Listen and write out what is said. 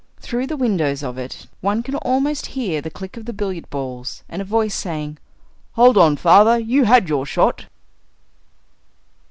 Through the windows of it one can almost hear the click of the billiard balls, and a voice saying, "Hold on, father, you had your shot."